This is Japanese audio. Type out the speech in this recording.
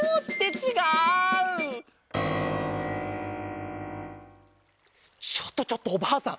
ちょっとちょっとおばあさん